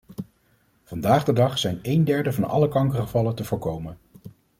Vandaag de dag zijn één derde van alle kankergevallen te voorkomen.